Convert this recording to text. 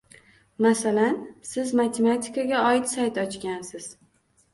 Masalan, Siz matematikaga oid sayt ochgansiz